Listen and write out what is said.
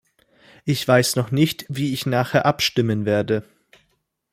Ich weiß noch nicht, wie ich nachher abstimmen werde.